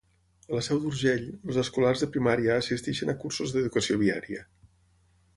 A la Seu d'Urgell, els escolars de primària assisteixen a cursos d'educació viària.